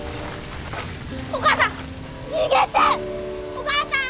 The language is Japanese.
お母さん！